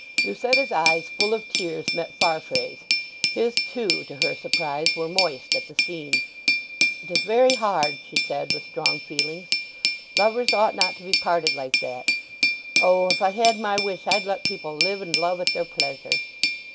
Lucetta's eyes, full of tears, met Farfrae's. His, too, to her surprise, were moist at the scene. "It is very hard," she said with strong feelings. "Lovers ought not to be parted like that! O, if I had my wish, I'd let people live and love at their pleasure!"